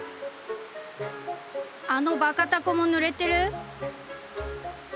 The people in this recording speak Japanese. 「あのバカ凧もぬれてる？」。